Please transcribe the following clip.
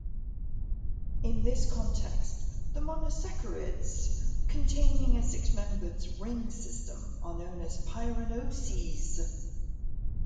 In this context, the monosaccharides containing a six-membered ring system are known as pyranoses.